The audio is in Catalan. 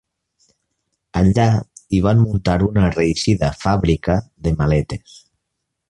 Allà hi van muntar una reeixida fàbrica de maletes.